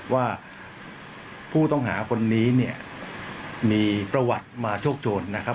ว่าผู้ต้องหาคนนี้เนี่ยมีประวัติมาโชคโชนนะครับ